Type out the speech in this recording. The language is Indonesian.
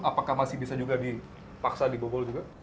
apakah masih bisa juga dipaksa dibobol juga